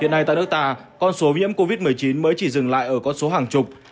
hiện nay tại nước ta con số nhiễm covid một mươi chín mới chỉ dừng lại ở con số hàng chục